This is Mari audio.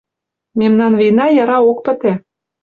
Мемнан вийна яра ок пыте